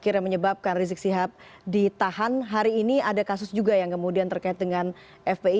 akhirnya menyebabkan rizik sihab ditahan hari ini ada kasus juga yang kemudian terkait dengan fpi